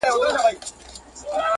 چي د اړتیا پر وخت زنګ ورته ووهم